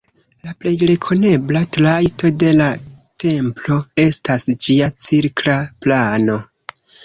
La plej rekonebla trajto de la templo estas ĝia cirkla plano.